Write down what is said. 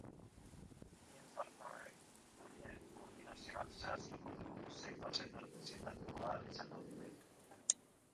Hiru faktore horien konbinazioak zehaztuko du zein fasetan bisitatu ahal izango diren.